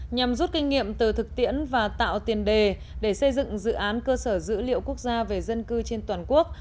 nhằm rút kinh nghiệm từ thực tiễn và tạo tiền đề để xây dựng dự án cơ sở dữ liệu quốc gia về dân cư trên toàn quốc